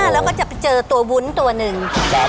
แล้วก็จะไปเจอตัววุ้นตัวหนึ่ง